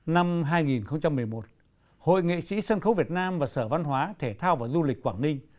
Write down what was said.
năm hai nghìn một mươi một hội nghệ sĩ sân khấu việt nam và sở văn hóa thể thao và du lịch quảng ninh